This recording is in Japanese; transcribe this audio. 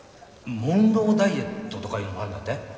モンローダイエットとかいうのもあるんだって？